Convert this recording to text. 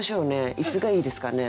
いつがいいですかね？